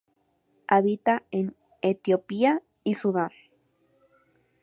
Habita en Etiopía y Sudán.